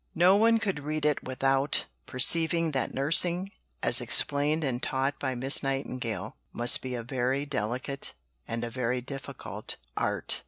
No one could read it without perceiving that nursing, as explained and taught by Miss Nightingale, must be a very delicate, and a very difficult, art.